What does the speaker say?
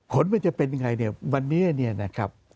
ผลมันจะเป็นยังไงเนี่ยวันนี้เนี่ยนะครับ